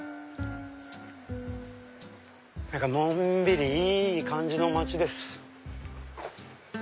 のんびりいい感じの街です。